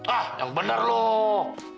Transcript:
ah yang bener loh